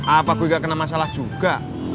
apa gue gak kena masalah juga